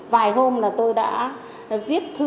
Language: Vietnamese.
vài hôm là tôi đã viết thư